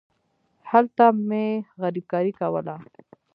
هلته مې غريبکاري کوله.